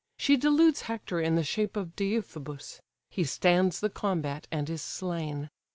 She deludes Hector in the shape of Deiphobus; he stands the combat, and is slain.